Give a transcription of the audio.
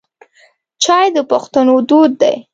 چای د پښتنو دود دی.